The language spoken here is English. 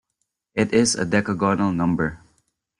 It is a decagonal number.